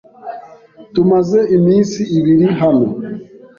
Tumaze iminsi ibiri hano.